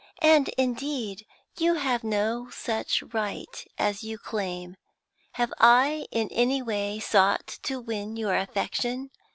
And indeed you have no such right as you claim. Have I in any way sought to win your affection?